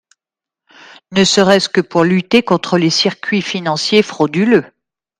… ne serait-ce que pour lutter contre les circuits financiers frauduleux.